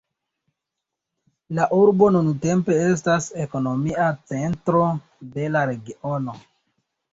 La urbo nuntempe estas ekonomia centro de la regiono.